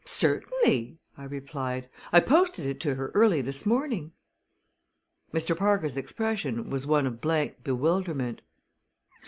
"Certainly!" I replied. "I posted it to her early this morning." Mr. Parker's expression was one of blank bewilderment.